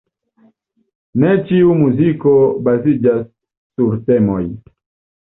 Ne ĉiu muziko baziĝas sur temoj.